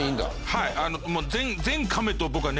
はい。